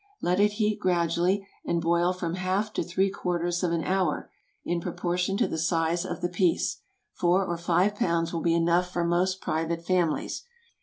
Let it heat gradually, and boil from half to three quarters of an hour, in proportion to the size of the piece. Four or five pounds will be enough for most private families.